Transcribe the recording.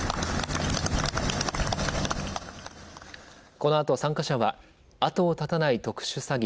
このあと参加者は後を絶たない特殊詐欺